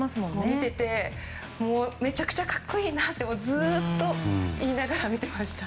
見ててめちゃくちゃ格好いいってずっと言いながら見てました。